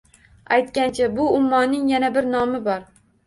Aytgancha, bu ummoning yana bir nomi bor